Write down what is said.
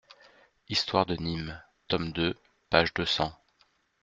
Histoire de Nîmes, tome deux, page deux cents.